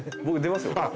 僕出ますよ。